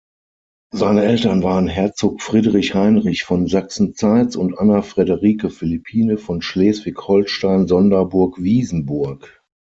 Seine Eltern waren Herzog Friedrich Heinrich von Sachsen-Zeitz und Anna Friederike Philippine von Schleswig-Holstein-Sonderburg-Wiesenburg.